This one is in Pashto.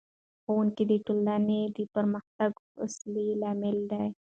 ښوونکی د ټولنې د پرمختګ اصلي لامل دی.